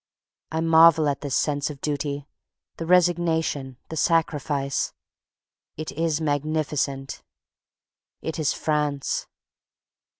I marvel at the sense of duty, the resignation, the sacrifice. It is magnificent, it is FRANCE.